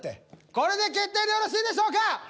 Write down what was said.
これで決定でよろしいでしょうか。